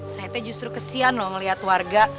saya justru kesian loh ngeliat warga